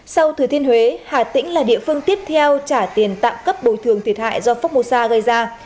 sau thừa thiên huế hà tĩnh là địa phương tiếp theo trả tiền tạm cấp bồi thường thiệt hại do phúc một sa gây ra